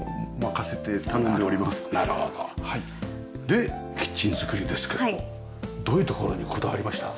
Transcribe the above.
でキッチン作りですけどどういうところにこだわりました？